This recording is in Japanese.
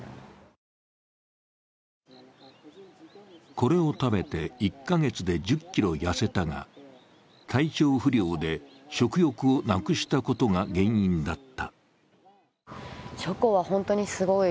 これを食べて１か月で１０ｋｇ痩せたが体調不良で食欲をなくしたことが原因だった。